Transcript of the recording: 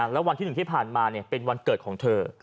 แล้ววันที่หนึ่งที่ผ่านมาเนี่ยเป็นวันเกิดของเธอ